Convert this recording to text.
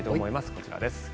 こちらです。